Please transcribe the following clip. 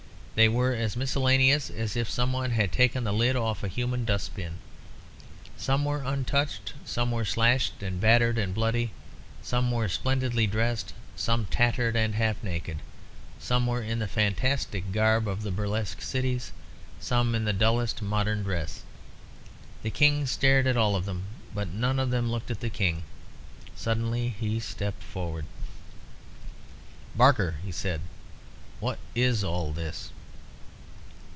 They were as miscellaneous as if some one had taken the lid off a human dustbin. Some were untouched, some were slashed and battered and bloody, some were splendidly dressed, some tattered and half naked, some were in the fantastic garb of the burlesque cities, some in the dullest modern dress. The King stared at all of them, but none of them looked at the King. Suddenly he stepped forward. "Barker," he said, "what is all this?"